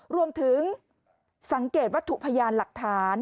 รวมถึงสังเกตวัตถุพยานหลักฐาน